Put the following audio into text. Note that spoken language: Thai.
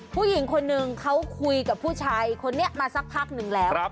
ผู้หญิงคนนึงเขาคุยกับผู้ชายคนนี้มาสักพักนึงแล้ว